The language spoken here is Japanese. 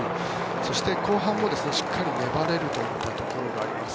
そして、後半もしっかり粘れるといったところがあります。